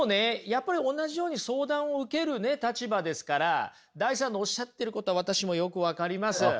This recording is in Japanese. やっぱり同じように相談を受けるね立場ですからダイさんのおっしゃってることは私もよく分かります。